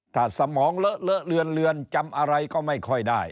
ถ้าสมองเลอะเลอะเลือนจำอะไรก็ไม่ค่อยได้